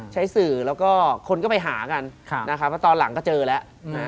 ใช้สื่อแล้วก็คนก็ไปหากันนะครับเพราะตอนหลังก็เจอแล้ว